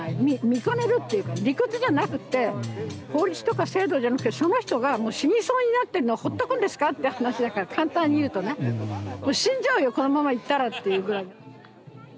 見かねるっていうかね理屈じゃなくて法律とか制度じゃなくてその人がもう死にそうになってるのをほっとくんですかって話だから簡単に言うとね死んじゃうよこのままいったらっていうぐらいに。